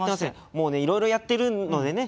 もうねいろいろやってるのでね